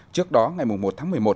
trước đó ngày một tháng một mươi một